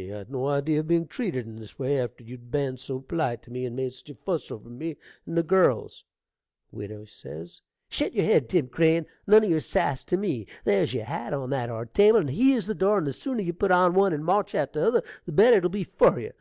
I'd no idee of being treated in this way, after you'd ben so polite to me, and made such a fuss over me and the girls. Widow Shet yer head, Tim Crane; nun o' yer sass to me. There's your hat on that are table, and here's the door; and the sooner you put on one and march out o' t'other the better it will be for you.